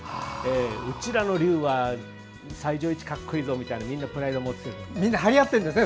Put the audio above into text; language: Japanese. うちらの龍は西条一格好いいぞみたいなみんなプライドを持ってるので。